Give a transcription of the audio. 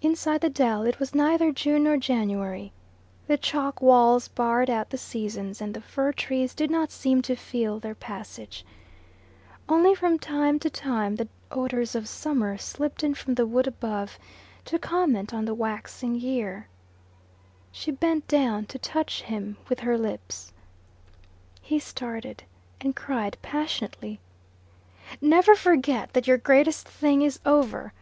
Inside the dell it was neither June nor January. The chalk walls barred out the seasons, and the fir trees did not seem to feel their passage. Only from time to time the odours of summer slipped in from the wood above, to comment on the waxing year. She bent down to touch him with her lips. He started, and cried passionately, "Never forget that your greatest thing is over.